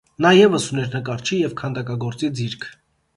Նա ևս ուներ նկարչի և քանդակագործի ձիրք։